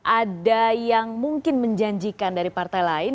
ada yang mungkin menjanjikan dari partai lain